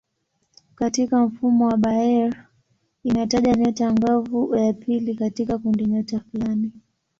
Katika mfumo wa Bayer inataja nyota angavu ya pili katika kundinyota fulani.